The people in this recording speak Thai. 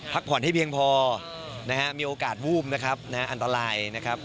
พักผ่อนให้เพียงพอนะฮะมีโอกาสวูบนะครับอันตรายนะครับ